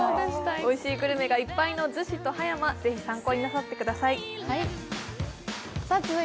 おいしいグルメがいっぱいの逗子と葉山、ぜひ参考になさってください。